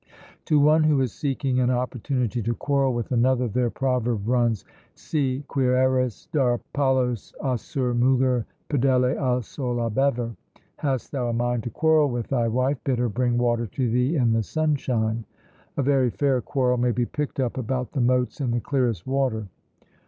To one who is seeking an opportunity to quarrel with another, their proverb runs, Si quieres dar palos a sur muger pidele al sol a bever, "Hast thou a mind to quarrel with thy wife, bid her bring water to thee in the sunshine!" a very fair quarrel may be picked up about the motes in the clearest water!